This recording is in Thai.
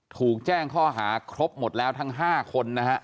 ถูกแจ้งข้อหาครบหมดแล้วทั้ง๕คนนะฮะ